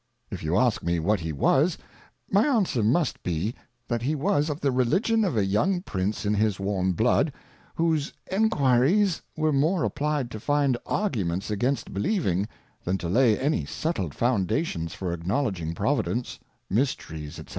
If you ask me what he was, my answer must be, that he was of the Religion of a young Prince in his warm Hlood, whose Enquiries were more applied to find Arguments against believing, than to lay any settled Foundations for acknowledging Providence, Mysteries, S^c.